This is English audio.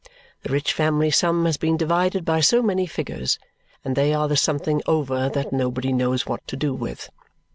The rich family sum has been divided by so many figures, and they are the something over that nobody knows what to do with.